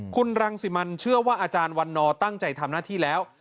คุณรังสิมันเชื่อว่าอาจารย์วันนอร์ตั้งใจทำหน้าที่แล้ว